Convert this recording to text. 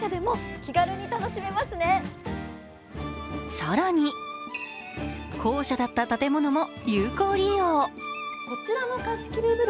更に、校舎だった建物も有効利用。